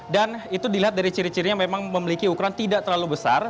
dan itu dilihat dari ciri cirinya memang memiliki ukuran tidak terlalu besar